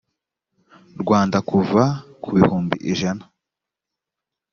rwanda kuva ku bihumbi ijana